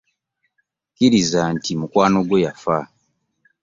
Kkiriza nti mukwano gwo yaffa.